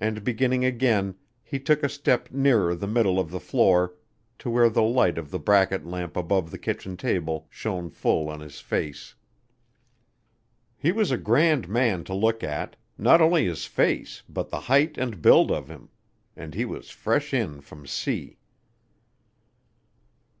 And beginning again, he took a step nearer the middle of the floor, to where the light of the bracket lamp above the kitchen table shone full on his face. He was a grand man to look at, not only his face but the height and build of him, and he was fresh in from sea.